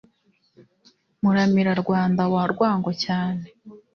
muramira rwanda wa rwango cyane